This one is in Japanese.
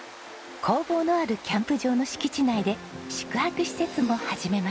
工房のあるキャンプ場の敷地内で宿泊施設も始めました。